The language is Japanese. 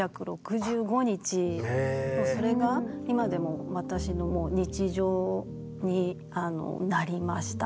それが今でも私の日常になりました。